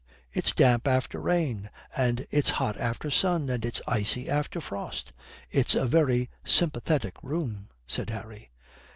It's damp after rain, and it's hot after sun, and it's icy after frost. It's a very sympathetic room," said Harry.